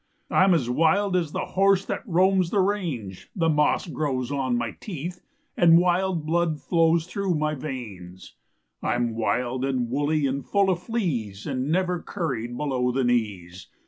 I'm as wild as the horse that roams the range; The moss grows on my teeth and wild blood flows through my veins. "I'm wild and woolly and full of fleas And never curried below the knees.